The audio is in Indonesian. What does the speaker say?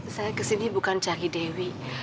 saya ke sini bukan cari dewi